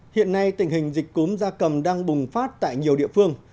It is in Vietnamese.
hiện nay tình hình dịch cúm da cầm đang bùng phát tại nhiều địa phương